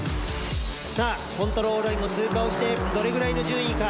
さぁコントロールラインも通過をしてどれくらいの順位か？